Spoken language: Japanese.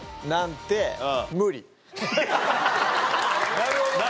なるほどな。